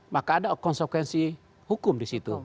maka ada konsekuensi hukum di situ